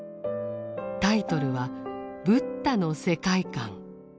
タイトルは「ブッダの世界観」。